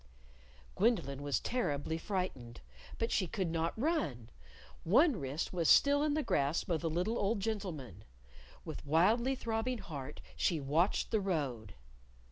_" Gwendolyn was terribly frightened. But she could not run. One wrist was still in the grasp of the little old gentleman. With wildly throbbing heart she watched the road.